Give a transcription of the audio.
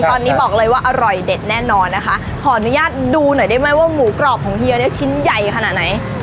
ตอนนี้บอกเลยว่าอร่อยเด็ดแน่นอนนะคะขออนุญาตดูหน่อยได้ไหมว่าหมูกรอบของเฮียเนี่ยชิ้นใหญ่ขนาดไหน